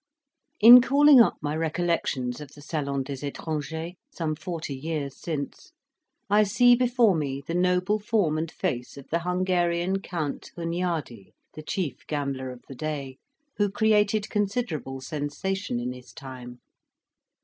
In calling up my recollections of the Salon des Etrangers, some forty years since, I see before me the noble form and face of the Hungarian Count Hunyady, the chief gambler of the day, who created considerable sensation in his time.